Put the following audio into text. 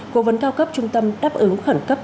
cố vấn cao cấp trung tâm đáp ứng khẩn cấp